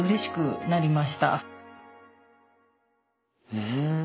うん。